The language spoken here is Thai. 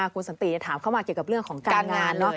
คุณสันติถามเข้ามาเกี่ยวกับเรื่องของการงานเนอะ